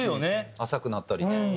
浅くなったりね。